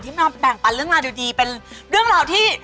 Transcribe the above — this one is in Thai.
มาแบ่งปันเรื่องราวดีเป็นเรื่องราวที่